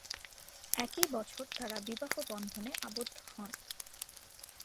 একই বছর তারা বিবাহবন্ধনে আবদ্ধ হন।